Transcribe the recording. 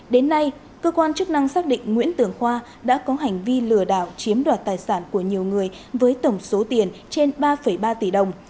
đến nay cơ quan chức năng xác định nguyễn tường khoa đã có hành vi lừa đảo chiếm đoạt tài sản của nhiều người với tổng số tiền trên ba ba tỷ đồng